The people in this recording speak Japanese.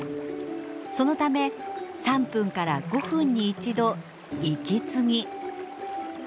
そのため３分から５分に一度息継ぎ。